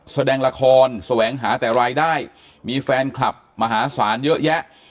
แสดงละครแสวงหาแต่รายได้มีแฟนคลับมหาศาลเยอะแยะ